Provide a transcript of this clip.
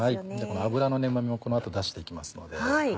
この脂のうまみもこの後出していきますので。